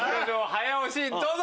早押しどうぞ。